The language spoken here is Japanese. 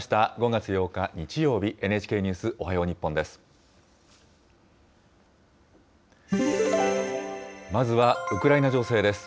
５月８日日曜日、ＮＨＫニュースおはよう日本です。